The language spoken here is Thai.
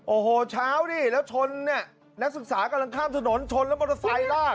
โอ้โหเช้าดิแล้วชนเนี่ยนักศึกษากำลังข้ามถนนชนแล้วมอเตอร์ไซค์ลาก